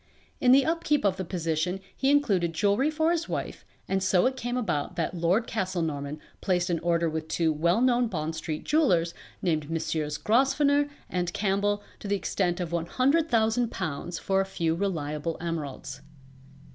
In the upkeep of the position he included jewelry for his wife and so it came about that Lord Castlenorman placed an order with two well known Bond street jewellers named Messrs. Grosvenor and Campbell to the extent of £100,000 for a few reliable emeralds.